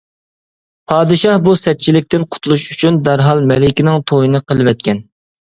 پادىشاھ بۇ سەتچىلىكتىن قۇتۇلۇش ئۈچۈن، دەرھال مەلىكىنىڭ تويىنى قىلىۋەتكەن.